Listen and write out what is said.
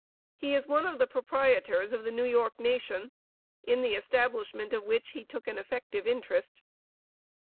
He is one of the proprietors of the New York Nation, in the establishment of which, he took an effective interest.